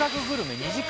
２時間